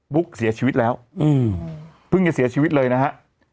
เสียชีวิตแล้วเพิ่งจะเสียชีวิตเลยนะฮะ